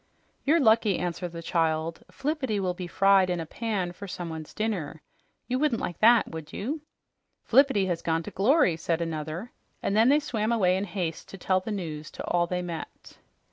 "You're lucky," answered the child. "Flippity will be fried in a pan for someone's dinner. You wouldn't like that, would you?" "Flippity has gone to glory!" said another, and then they swam away in haste to tell the news to all they met.